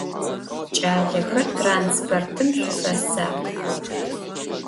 Ç'alexer, transportım şsufesakh!